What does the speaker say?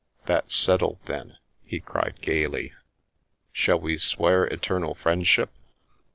"That's settled then!" he cried gaily. "Shall we swear eternal friendship